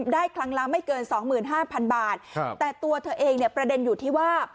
ได้ครั้งละไม่เกินสองหมื่นห้าพันบาทครับแต่ตัวเธอเองเนี่ยประเด็นอยู่ที่ว่า